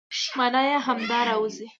مانا يې همدا راوځي،